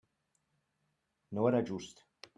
No era just.